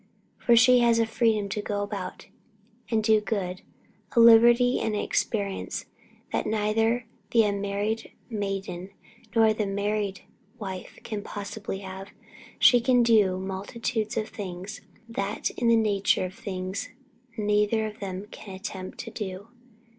For she has a freedom to go about and do good, a liberty and an experience that neither the unmarried maiden nor the married wife can possibly have. She can do multitudes of things that in the nature of things neither of them can attempt to do.